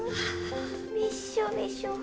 びっしょびしょ。